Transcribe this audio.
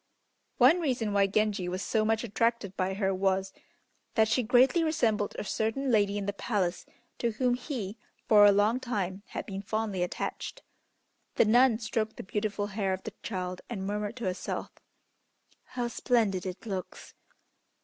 One reason why Genji was so much attracted by her was, that she greatly resembled a certain lady in the Palace, to whom he, for a long time, had been fondly attached. The nun stroked the beautiful hair of the child and murmured to herself, "How splendid it looks!